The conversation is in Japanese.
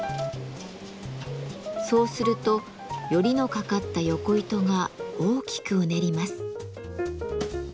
そうするとヨリのかかったヨコ糸が大きくうねります。